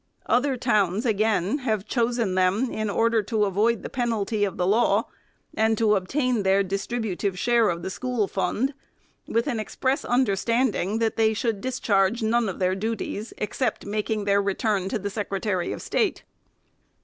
Other towns, again, have chosen them, in order to avoid the penalty of the law, and to obtain their dis tributive share of the school fund, with an express under standing that they should discharge none of their duties, except making their return to the Secretary of State.